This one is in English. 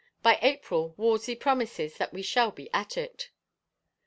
... By April Wolsey promises that we shall be at it."